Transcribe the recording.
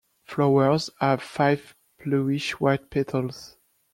Flowers have five bluish-white petals.